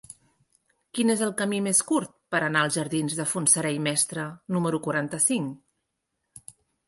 Quin és el camí més curt per anar als jardins de Fontserè i Mestre número quaranta-cinc?